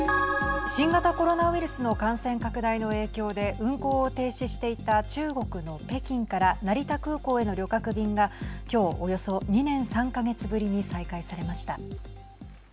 新型コロナウイルスの感染拡大の影響で運航を停止していた中国の北京から成田空港への旅客便がきょう、およそ２年３か月ぶりに再開されました。